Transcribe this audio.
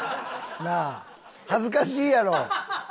なあ恥ずかしいやろ？